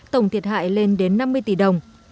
tổng thiệt hại lên đến năm mươi tỷ đồng